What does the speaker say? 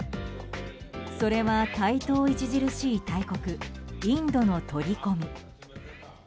それは台頭著しい大国インドの取り込み。